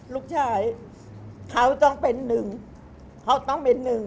ลูกชายเขาต้องเป็นหนึ่ง